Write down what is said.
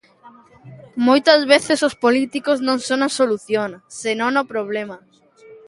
Moitas veces os políticos non son a solución, senón o problema.